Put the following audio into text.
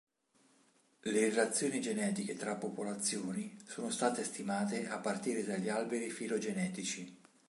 Le relazioni genetiche tra popolazioni sono state stimate a partire dagli alberi filogenetici.